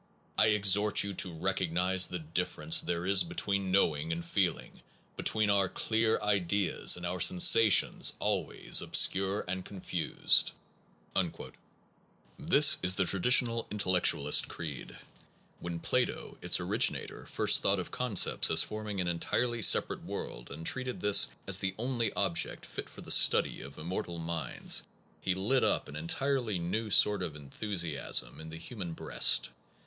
... I exhort you to recognize the differ ence there is between knowing and feeling, between our clear ideas, and our sensations always obscure and confused. 1 This is the traditional intellectualist creed. When Plato, its originator, first thought of concepts as forming an entirely separate world and treated this as the only object fit for the study of immortal minds, he lit up an entirely 1 Malebranche: Entretiens sur la Metaphysique, 3me. Entretien, viii, 9. 76 PERCEPT AND CONCEPT new sort of enthusiasm in the human breast.